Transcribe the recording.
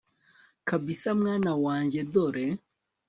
kabsa mwana wanjye dore